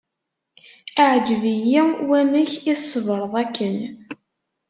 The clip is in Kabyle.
Iεǧeb-iyi wamek i tṣebreḍ akken.